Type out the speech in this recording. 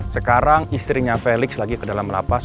sekarang istrinya felix lagi ke dalam lapas